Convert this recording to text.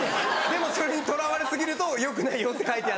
でもそれにとらわれ過ぎるとよくないよって書いてあって。